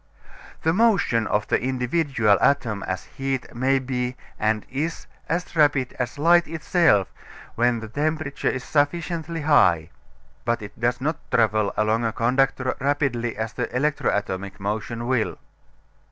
The motion of the individual atom as heat may be, and is, as rapid as light itself when the temperature is sufficiently high, but it does not travel along a conductor rapidly as the electro atomic motion will.